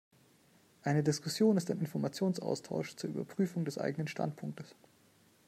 Eine Diskussion ist ein Informationsaustausch zur Überprüfung des eigenen Standpunktes.